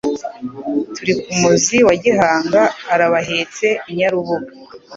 Turi ku muzi wa Gihanga.Arabahetse Inyarubuga,